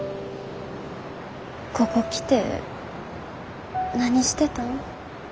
ここ来て何してたん？